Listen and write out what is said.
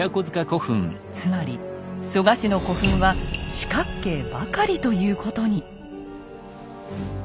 つまり蘇我氏の古墳は四角形ばかりということに。